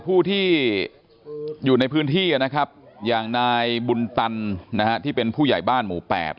ผู้ที่อยู่ในพื้นที่นะครับอย่างนายบุญตันนะฮะที่เป็นผู้ใหญ่บ้านหมู่๘